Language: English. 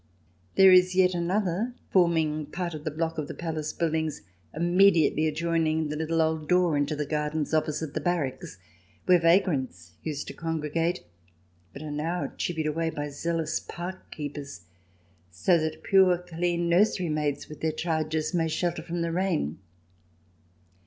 There is yet another, forming part of the block of the palace buildings immediately adjoining the little old door into the gardens opposite the barracks, where vagrants used to congregate, but are now chivied away by zealous park keepers, so that pure, clean nursemaids with their charges may shelter from the rain.